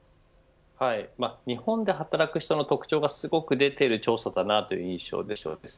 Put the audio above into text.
日本で働く人の特徴がすごく出ている調査だなという印象でした。